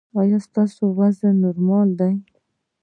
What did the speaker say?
ایا ستاسو وزن نورمال دی؟